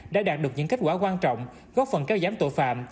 đã đạt được những kết quả quan trọng góp phần kéo giám tội phạm